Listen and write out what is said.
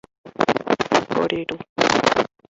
Ore Ru